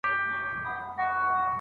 چي مېړه وي هغه تل پر یو قرار وي